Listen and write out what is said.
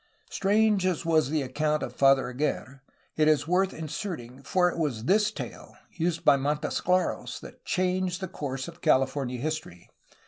Strange as was the account of Father Aguirre, it is worth inserting, for it was this tale, as used by Montesclaros, that changed the course of California history.